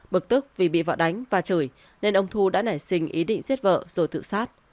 bực tức vì bị vợ đánh và chửi nên ông thu đã nảy sinh ý định giết vợ rồi tự sát